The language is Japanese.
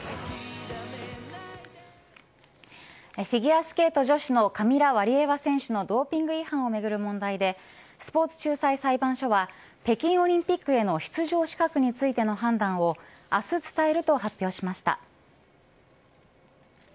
フィギュアスケート女子のカミラ・ワリエワ選手のドーピング違反をめぐる問題でスポーツ仲裁裁判所は北京オリンピックへの出場資格についての判断を明日伝えると発表しました。